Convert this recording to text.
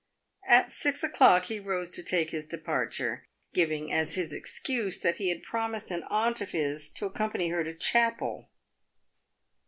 At six o'clock he rose to take his departure, giving as his excuse that he had promised an aunt of his to accompany her to chapel.